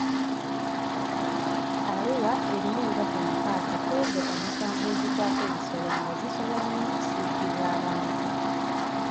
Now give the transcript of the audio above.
Arua erimu endwadde mukaaga kw'ezo omusanvu ezikwata ebisolo nga zisobola n'okusiigibwa abantu.